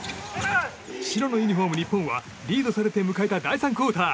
白のユニホーム、日本はリードされて迎えた第３クオーター。